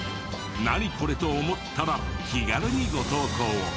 「ナニコレ？」と思ったら気軽にご投稿を。